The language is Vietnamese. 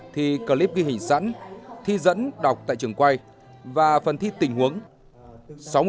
thi clip ghi hình sẵn thi dẫn đọc tại trường quay và phần thi tình huống